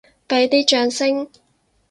畀啲掌聲！